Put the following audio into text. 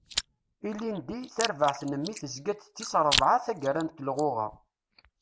Ilindi, tarbaɛt n mmi tezga-d d tis rebɛa taggara n telɣuɣa.